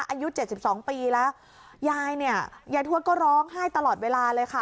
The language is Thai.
อายุ๗๒ปีแล้วใยทวชก็ร้องไห้ตลอดเวลาเลยค่ะ